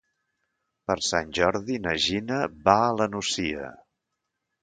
Per Sant Jordi na Gina va a la Nucia.